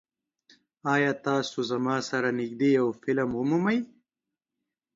ایا تاسو زما سره نږدې یو فلم ومومئ؟